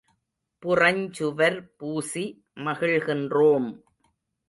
புறஞ்சுவர் பூசி மகிழ்கின்றோம்!